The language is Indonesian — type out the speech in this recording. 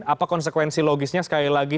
apa konsekuensi logisnya sekali lagi